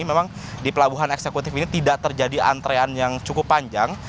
memang di pelabuhan eksekutif ini tidak terjadi antrean yang cukup panjang